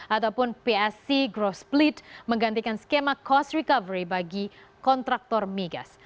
ataupun psc growth split menggantikan skema cost recovery bagi kontraktor migas